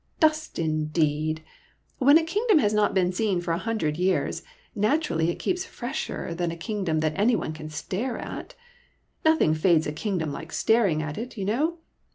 '' Dust, indeed ! When a kingdom has not been seen for a hundred years, natur ally it keeps fresher than a kingdom that any one can stare at. Nothing fades a kingdom like staring at it, you know.